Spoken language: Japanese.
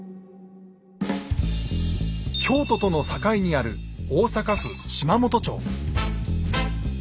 京都との境にある大阪府島本町。